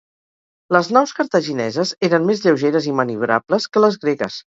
Les naus cartagineses eren més lleugeres i maniobrables que les gregues.